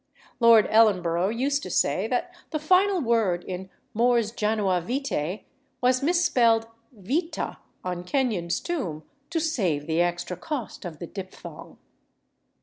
Lord Ellenborough used to say that the final word in "Mors janua vitæ" was mis spelled vita on Kenyon's tomb to save the extra cost of the diphthong.